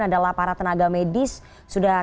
adalah para tenaga medis sudah